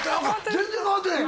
全然変わってない。